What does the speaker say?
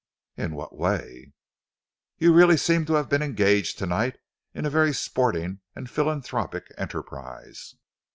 "In what way?" "You really seem to have been engaged to night in a very sporting and philanthropic enterprise.